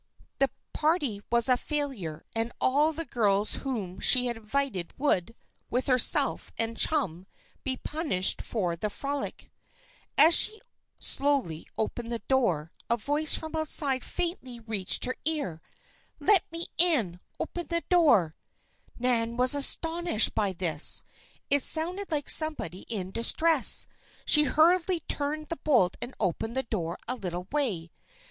The party was a failure and all the girls whom she had invited would, with herself and chum, be punished for the frolic. As she slowly approached the door, a voice from outside faintly reached her ear: "Let me in! open the door!" Nan was astonished by this. It sounded like somebody in distress. She hurriedly turned the bolt and opened the door a little way.